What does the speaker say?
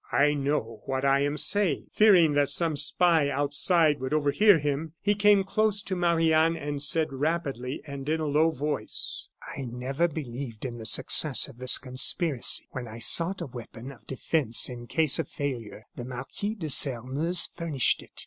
"I know what I am saying." Fearing that some spy outside would overhear him, he came close to Marie Anne and said, rapidly, and in a low voice: "I never believed in the success of this conspiracy. When I sought for a weapon of defence in case of failure, the Marquis de Sairmeuse furnished it.